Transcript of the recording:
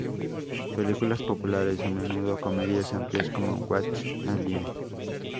Películas populares, a menudo comedias amplias como What A Lie!